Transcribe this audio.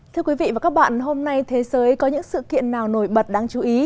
thưa quý vị và các bạn hôm nay thế giới có những sự kiện nào nổi bật đáng chú ý